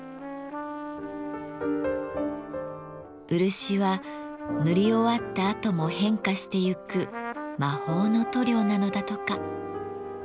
漆は塗り終わったあとも変化してゆく魔法の塗料なのだとか。